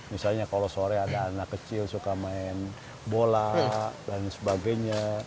misalnya kalau sore ada anak kecil suka main bola dan sebagainya